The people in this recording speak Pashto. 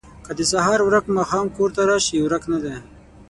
که د سهار ورک ماښام کور ته راشي، ورک نه دی.